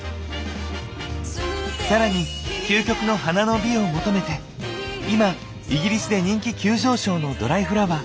更に究極の花の美を求めて今イギリスで人気急上昇のドライフラワー。